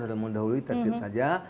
dan mendahului tertib saja